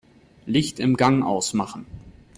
Licht im Gang ausmachen.